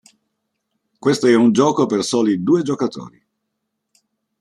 Questo è un gioco per soli due giocatori.